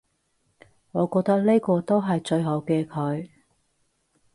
我覺得呢個都係最好嘅佢